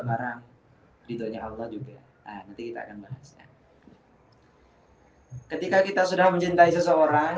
barang ridhonya allah juga nanti kita akan bahasnya ketika kita sudah mencintai seseorang